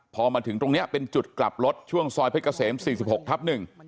พอมาถึงตรงนี้เป็นจุดกลับรถช่วงซอยเพชรเกษม๔๖ทับ๑